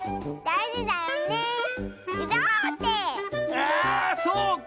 あそうか！